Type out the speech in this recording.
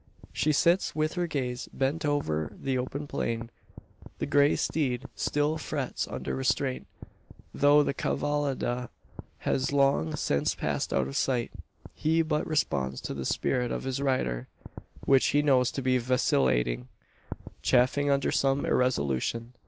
She sits with her gaze bent over the open plain. The grey steed still frets under restraint, though the cavallada has long since passed out of sight. He but responds to the spirit of his rider; which he knows to be vacillating chafing under some irresolution.